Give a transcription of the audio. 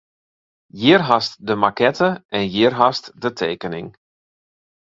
Hjir hast de makette en hjir hast de tekening.